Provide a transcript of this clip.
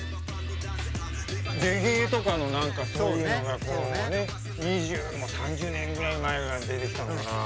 レゲエとかの何かそういうのがこうね２０３０年ぐらい前から出てきたのかな。